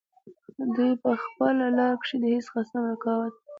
دوي پۀ خپله لاره کښې د هيڅ قسم رکاوټ